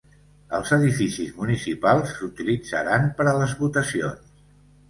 Els edificis municipals s'utilitzaran per a les votacions.